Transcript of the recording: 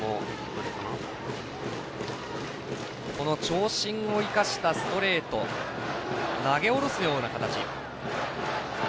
長身を生かしたストレート投げ下ろすような形。